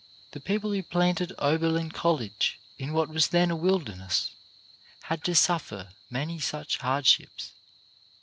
The people who planted Oberlin College in what was then a wilderness had to suffer many such hard ships.